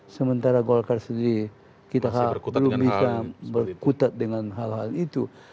sementara golkar sendiri kita belum bisa berkutat dengan hal hal itu